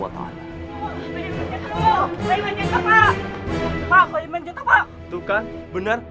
tuh kan benar